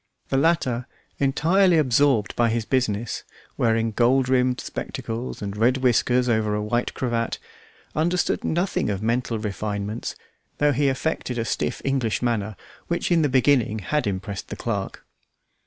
The latter, entirely absorbed by his business, wearing gold rimmed spectacles and red whiskers over a white cravat, understood nothing of mental refinements, although he affected a stiff English manner, which in the beginning had impressed the clerk.